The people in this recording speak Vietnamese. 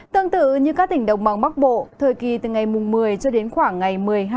tương tự như các tỉnh đồng bằng bắc bộ thời kỳ từ ngày một mươi cho đến khoảng ngày một mươi hai